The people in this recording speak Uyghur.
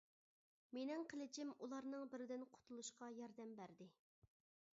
مېنىڭ قىلىچىم ئۇلارنىڭ بىرىدىن قۇتۇلۇشقا ياردەم بەردى.